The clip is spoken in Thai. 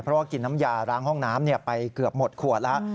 เพราะว่ากินน้ำยาล้างห้องน้ำไปเกือบหมดขวดแล้ว